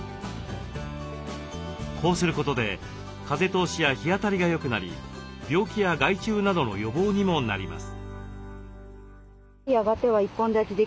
こうすることで風通しや日当たりが良くなり病気や害虫などの予防にもなります。